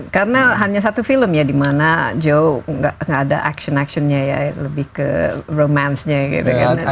karena hanya satu film ya dimana joe gak ada action actionnya ya lebih ke romance nya gitu kan